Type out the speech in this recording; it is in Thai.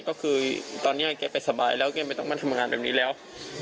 คือตอนนี้เกรียดไปสบายแล้วเกรียดไม่ต้องมาทำงานแบบนี้แล้ว